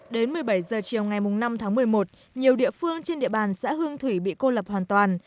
đến một mươi bảy h chiều ngày năm tháng một mươi một nhiều địa phương trên địa bàn xã hương thủy bị cô lập hoàn toàn